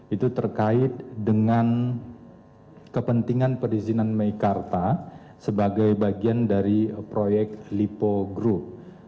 itu terkait dengan kepentingan perizinan meikarta sebagai bagian dari proyek lipo group